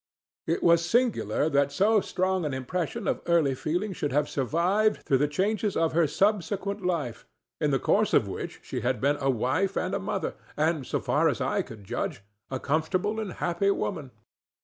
It was singular that so strong an impression of early feeling should have survived through the changes of her subsequent life, in the course of which she had been a wife and a mother, and, so far as I could judge, a comfortable and happy woman.